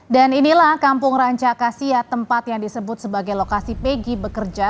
dan inilah kampung rancakasiat tempat yang disebut sebagai lokasi pegi bekerja